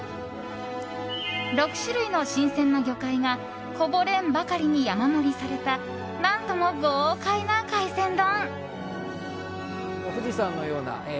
６種類の新鮮な魚介がこぼれんばかりに山盛りされた何とも豪快な海鮮丼。